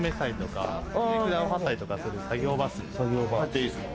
入っていいですか？